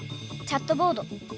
チャットボード。